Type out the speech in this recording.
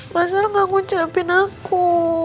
masalah gak ngucapin aku